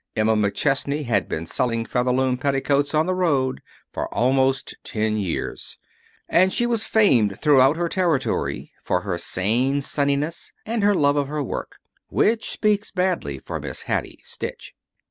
Emma McChesney had been selling Featherloom Petticoats on the road for almost ten years, and she was famed throughout her territory for her sane sunniness, and her love of her work. Which speaks badly for Miss Hattie Stitch.